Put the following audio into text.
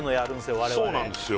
我々そうなんですよ